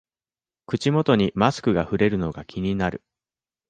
口元にマスクがふれるのが気になる